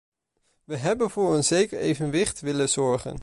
We hebben voor een zeker evenwicht willen zorgen.